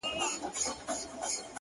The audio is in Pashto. زمـــا د رسـوايـــۍ كــيســه،